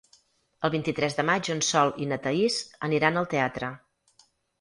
El vint-i-tres de maig en Sol i na Thaís aniran al teatre.